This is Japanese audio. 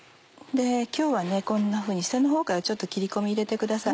今日はこんなふうに下のほうから切り込みを入れてください。